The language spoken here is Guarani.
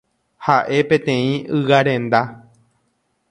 Ha'e peteĩ ygarenda.